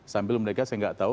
sambil mereka saya gak tau